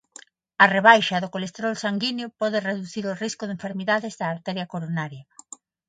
A rebaixa do colesterol sanguíneo pode reducir o risco de enfermidades da arteria coronaria".